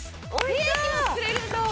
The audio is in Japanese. ケーキも作れるんだ！